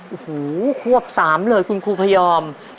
โอ้โหควบ๓เลยคุณครูพยอม